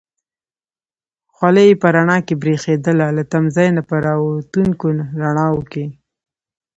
خولۍ یې په رڼا کې برېښېدلې، له تمځای نه په را وتونکو رڼاوو کې.